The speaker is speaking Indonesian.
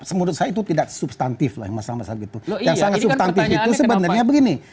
semudah itu tidak substantif masalah masalah gitu yang sangat tante itu sebenarnya begini